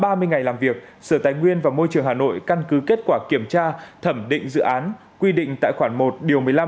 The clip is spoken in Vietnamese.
trong những ngày làm việc sở tài nguyên và môi trường hà nội căn cứ kết quả kiểm tra thẩm định dự án quy định tài khoản một điều một mươi năm